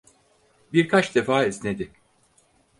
Birkaç defa esnedi.